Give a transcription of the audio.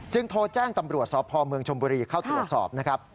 โทรแจ้งตำรวจสพเมืองชมบุรีเข้าตรวจสอบนะครับ